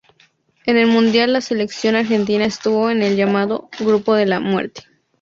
En el mundial la Selección Argentina estuvo en el llamado "Grupo de la Muerte".